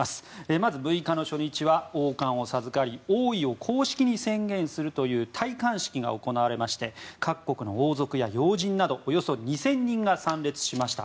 まず６日の初日は王冠を授かり王位を公式に宣言するという戴冠式が行われまして各国の王族や要人などおよそ２０００人が参列しました。